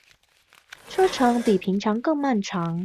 車程比平常更漫長